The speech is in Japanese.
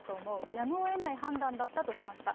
やむをえない判断だったとしました。